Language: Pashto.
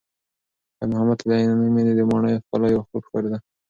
خیر محمد ته د عینومېنې د ماڼیو ښکلا یو خوب ښکارېده.